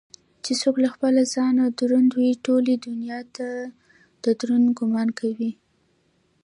چې څوك له خپله ځانه دروندوي ټولې دنياته ددراندۀ ګومان كوينه